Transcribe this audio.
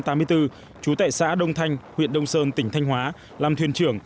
trú tại xã đông thanh huyện đông sơn tỉnh thanh hóa làm thuyền trưởng